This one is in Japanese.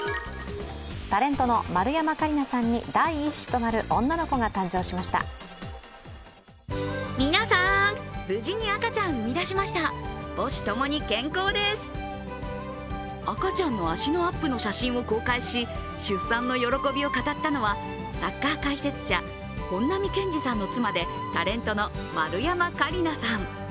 タレントの丸山桂里奈さんに第１子となる女の子が誕生しました赤ちゃんの足のアップの写真を公開し、出産の喜びを語ったのはサッカー解説者・本並健治さんの妻でタレントの丸山桂里奈さん。